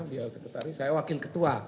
beliau sekretaris saya wakil ketua